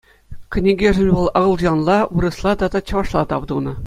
Кӗнекешӗн вӑл акӑлчанла, вырӑсла тата чӑвашла тав тунӑ.